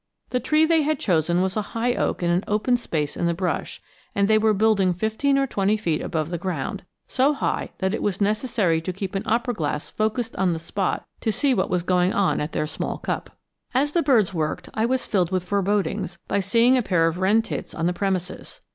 The tree they had chosen was a high oak in an open space in the brush, and they were building fifteen or twenty feet above the ground so high that it was necessary to keep an opera glass focused on the spot to see what was going on at their small cup. As the birds worked, I was filled with forebodings by seeing a pair of wren tits on the premises.